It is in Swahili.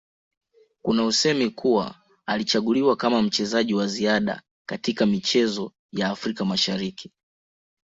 Kuna usemi kuwa alichaguliwa kama mchezaji wa ziada kaitka michezo ya Afrika Mashariki